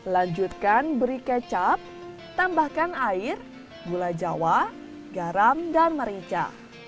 lanjutkan beri kecap tambahkan air gula jawa garam dan merica